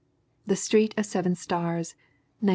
The Street of Seven Stars, 1914.